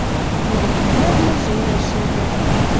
Но вот мӹндӹрнӹ жерӓ шӹтӓ.